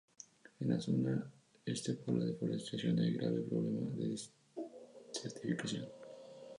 En la zona este por la deforestación hay grave problema de desertificación.